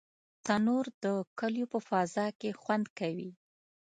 تنور د کلیو په فضا کې خوند کوي